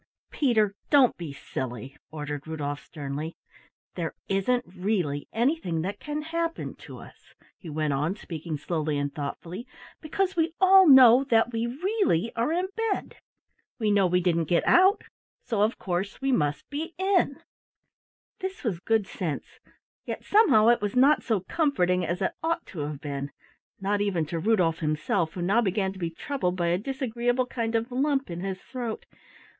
"Peter, don't be silly," ordered Rudolf sternly. "There isn't really anything that can happen to us," he went on, speaking slowly and thoughtfully, "because we all know that we really are in bed. We know we didn't get out, so of course we must be in." This was good sense, yet somehow it was not so comforting as it ought to have been, not even to Rudolf himself who now began to be troubled by a disagreeable kind of lump in his throat.